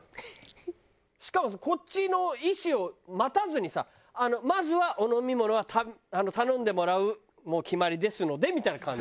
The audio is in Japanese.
しかもこっちの意思を待たずにさ「まずはお飲み物は頼んでもらう決まりですので」みたいな感じ。